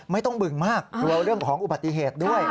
ไม่ต้องบึงมากกลัวเรื่องของอุบัติเหตุด้วย